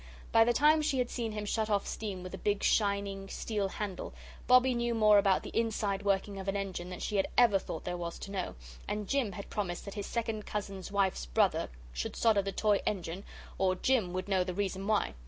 By the time she had seen him shut off steam with a big shining steel handle, Bobbie knew more about the inside working of an engine than she had ever thought there was to know, and Jim had promised that his second cousin's wife's brother should solder the toy engine, or Jim would know the reason why.